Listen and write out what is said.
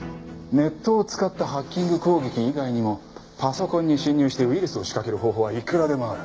ネットを使ったハッキング攻撃以外にもパソコンに侵入してウイルスを仕掛ける方法はいくらでもある。